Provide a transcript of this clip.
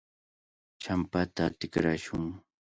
Champata tikrashun.